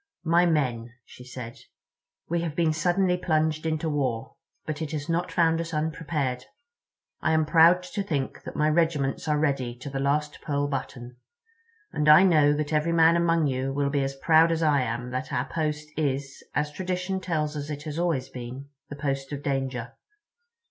"My men," she said, "we have been suddenly plunged into war. But it has not found us unprepared. I am proud to think that my regiments are ready to the last pearl button. And I know that every man among you will be as proud as I am that our post is, as tradition tells us it has always been, the post of danger.